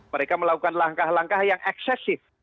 mereka melakukan langkah langkah yang eksesif